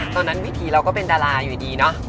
ตอนนั้นวิถีเราก็เป็นดาราอยู่ดีเนอะ